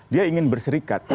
dia ingin berserikat